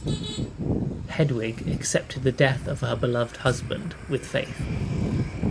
Hedwig accepted the death of her beloved husband with faith.